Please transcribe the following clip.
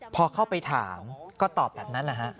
พอเข้าไปถามก็ตอบแบบนั้นแหละฮะ